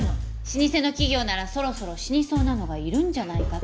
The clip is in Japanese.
老舗の企業ならそろそろ死にそうなのがいるんじゃないかって。